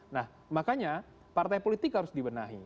nah makanya partai politik harus dibenahi